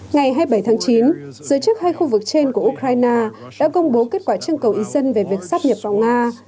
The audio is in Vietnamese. ngày hai mươi bảy tháng chín giới chức hai khu vực trên của ukraine đã công bố kết quả trưng cầu ý dân về việc sắp nhập vào nga